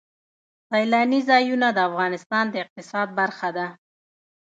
سیلانی ځایونه د افغانستان د اقتصاد برخه ده.